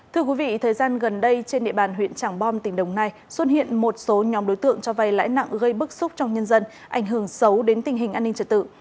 thưa quý vị thời gian gần đây trên địa bàn huyện trảng bom tỉnh đồng nai xuất hiện một số nhóm đối tượng cho vay lãi nặng gây bức xúc trong nhân dân ảnh hưởng xấu đến tình hình an ninh trật tự